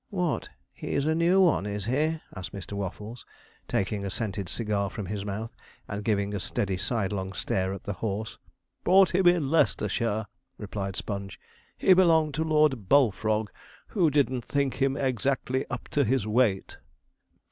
'What, he's a new one, is he?' asked Mr. Waffles, taking a scented cigar from his mouth, and giving a steady sidelong stare at the horse. 'Bought him in Leicestershire,' replied Sponge. 'He belonged to Lord Bullfrog, who didn't think him exactly up to his weight.'